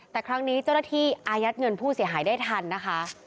แต่ครั้งนี้เจ้าหน้าที่อายัดเงินผู้เสียหายได้ทันนะคะ